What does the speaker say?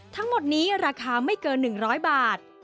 ทั้งหมดนี้ราคาไม่เกิน๑๐๐บาท